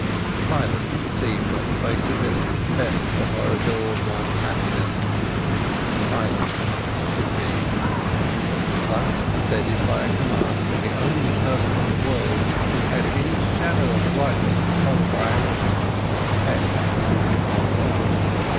Silence seemed, on the face of it, best for her adored one's happiness: silence it should be. Thus steadied by a command from the only person in the world who had any shadow of right to control her action, Tess grew calmer.